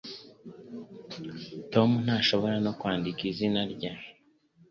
Tom ntashobora no kwandika izina rye